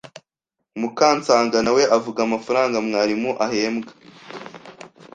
Mukansanga nawe avuga amafaranga mwalimu ahembwa,